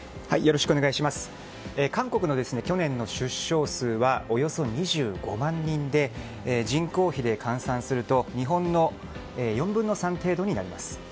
韓国の去年の出生数はおよそ２５万人で人口比で換算すると日本の４分の３程度になります。